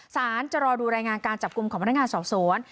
จะรอดูรายงานการจับกลุ่มของพนักงานสอบสวน